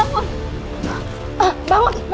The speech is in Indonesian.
yang peanuts pernah verdang ayamu